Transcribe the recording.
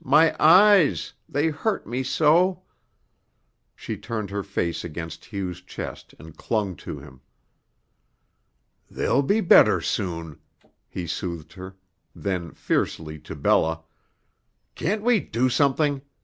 My eyes! They hurt me so!" She turned her face against Hugh's chest and clung to him. "They'll be better soon," he soothed her; then fiercely to Bella: "Can't we do something?